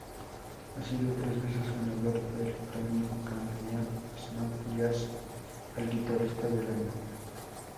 Ha sido tres veces ganador del Premio Canadian Smooth Jazz al guitarrista del año.